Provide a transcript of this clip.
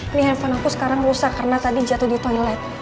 ini handphone aku sekarang rusak karena tadi jatuh di toilet